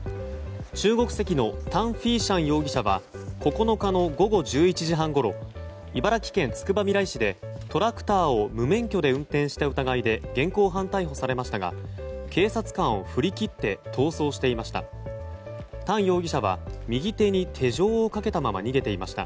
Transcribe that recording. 中国籍のタン・フィーシャン容疑者は９日の午後１１時半ごろ茨城県つくばみらい市でトラクターを無免許で運転した疑いで現行犯逮捕されましたが警察官を振り切って逃走していました。